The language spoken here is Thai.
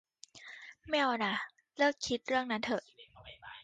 ไม่เอาหน่า เลิกคิดเรื่องนั้นเถอะ